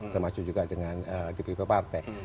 termasuk juga dengan dpp partai